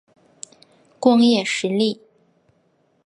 光叶石栎